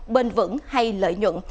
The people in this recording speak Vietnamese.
bền vững hay lợi nhuận